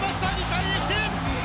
２対１！